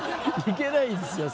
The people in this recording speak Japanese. いけないですよ